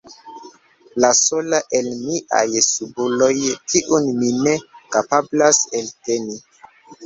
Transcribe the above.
La sola el miaj subuloj, kiun mi ne kapablas elteni.